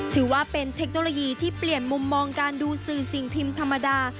ถือว่าเป็นเทคโนโลยีที่เปลี่ยนมุมมองการดูสื่อสิ่งพิมพ์ธรรมดา